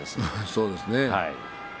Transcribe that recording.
そうですね。